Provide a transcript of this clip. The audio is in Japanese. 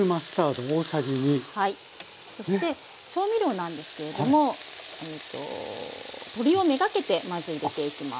そして調味料なんですけれども鶏を目がけてまず入れていきます。